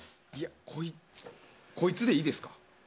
こいつでいいですか？